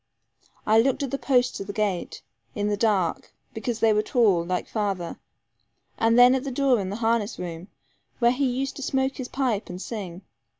I looked at the posts of the gate, in the dark, because they were tall, like father, and then at the door of the harness room, where he used to smoke his pipe and sing.